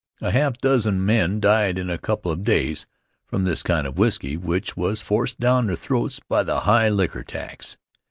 A half dozen men died in a couple of days from this kind of whisky which was forced down their throats by the high liquor tax.